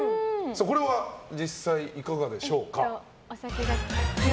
これは実際、いかがでしょうか？